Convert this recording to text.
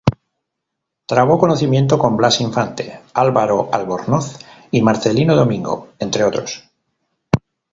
Trabó conocimiento con Blas Infante, Álvaro Albornoz y Marcelino Domingo, entre otros.